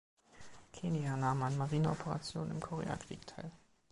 "Kenia" nahm an Marineoperationen im Koreakrieg teil.